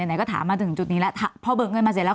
ไหนก็ถามมาถึงจุดนี้แล้วพอเบิกเงินมาเสร็จแล้ว